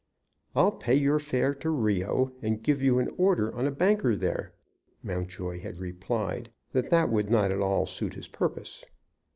"I'll pay your fare to Rio, and give you an order on a banker there." Mountjoy had replied that that would not at all suit his purpose.